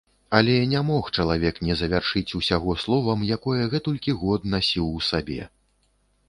Але не мог чалавек не завяршыць усяго словам, якое гэтулькі год насіў у сабе.